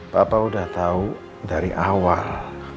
bapak sudah tahu dari awal